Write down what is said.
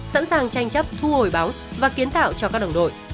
sẵn sàng tranh chấp thu hồi báo và kiến tạo cho các đồng đội